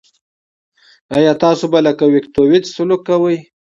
آیا تاسو به لکه ویتکیویچ سلوک کوئ.